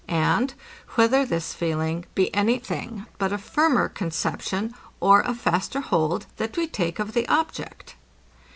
And, Whether this feeling be any thing but a firmer conception, or a faster hold, that we take of the object?